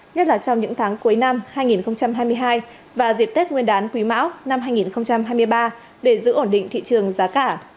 nhất là trong những tháng cuối năm hai nghìn hai mươi hai và dịp tết nguyên đán quý mão năm hai nghìn hai mươi ba để giữ ổn định thị trường giá cả